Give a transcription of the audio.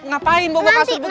ngapain bawa bawa kasur begini